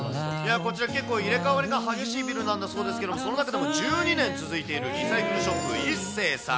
こちら、結構入れ替わりの激しいビルなんだそうですけど、その中でも１２年続いているリサイクルショップ、イッセーさん。